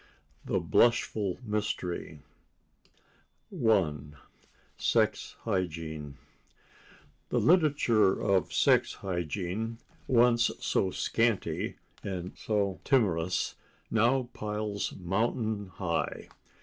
XVI. THE BLUSHFUL MYSTERY 1 Sex Hygiene The literature of sex hygiene, once so scanty and so timorous, now piles mountain high.